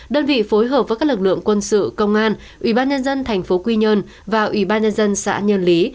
đơn vị phối hợp với các lực lượng quân sự công an ủy ban nhân dân thành phố quy nhơn và ủy ban nhân dân xã nhân lý